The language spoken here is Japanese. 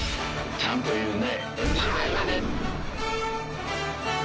ちゃんといるね。